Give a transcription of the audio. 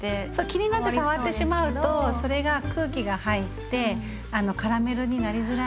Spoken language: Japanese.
気になって触ってしまうとそれが空気が入ってカラメルになりづらいので触らずに。